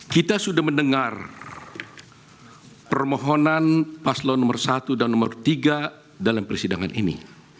kita sudah mendengar permohonan paslon nomor satu dan nomor tiga dalam persidangan ini